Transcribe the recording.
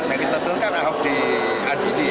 saya kira itu kan ahok di adili